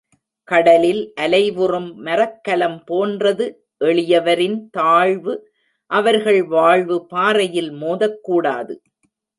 கடலில் அலைவுறும் மரக்கலம் போன்றது எளியவரின் தாழ்வு அவர்கள் வாழ்வு பாறையில் மோதக் கூடாது.